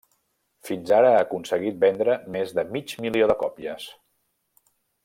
Fins ara ha aconseguit vendre més de mig milió de còpies.